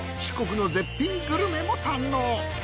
四国の絶品グルメも堪能。